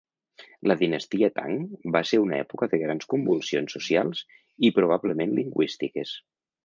La dinastia Tang va ser una època de grans convulsions socials i probablement lingüístiques.